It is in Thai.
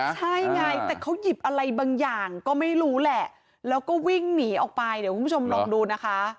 ใช่ไงแต่เขาหยิบอะไรบางอย่างก็ไม่รู้แหละแล้วก็วิ่งหนีออกไปเดี๋ยวคุณผู้ชมลองดูนะคะ